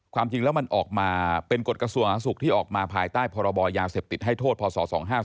ความจริงแล้วมันออกมาเป็นกฎกระทรวงสาธารณสุขที่ออกมาภายใต้พรบยาเสพติดให้โทษพศ๒๕๔